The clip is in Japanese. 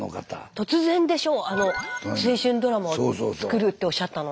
突然でしょうあの青春ドラマを作るっておっしゃったの。